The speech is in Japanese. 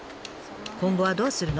今後はどうするの？